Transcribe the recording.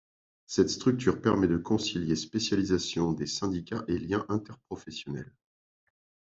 Cette structure permet de concilier spécialisation des syndicats et liens interprofessionnels.